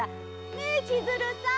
ねえ千鶴さん！